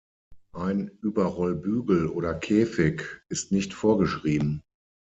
Ein Überrollbügel oder -käfig ist nicht vorgeschrieben.